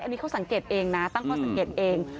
อันนี้เขาสังเกตเองนะตั้งข้อสังเกตเอง